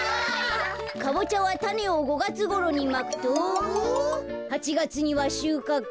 「かぼちゃはたねを５がつごろにまくと８がつにはしゅうかく」。